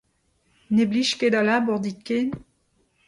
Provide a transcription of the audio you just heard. Ne blij ket da labour dit ken ?